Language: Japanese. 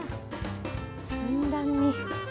ふんだんに。